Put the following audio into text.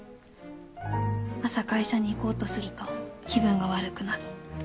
朝会社に行こうとすると気分が悪くなる。